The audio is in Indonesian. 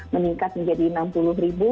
meningkat menjadi enam puluh ribu